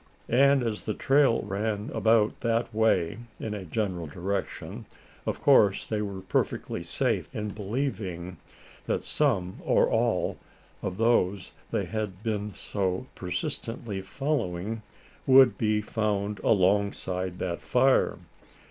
And as the trail ran about that way, in a general direction, of course they were perfectly safe in believing that some, or all, of those they had been so persistently following, would be found alongside that fire.